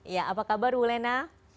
ya apa kabar bu lena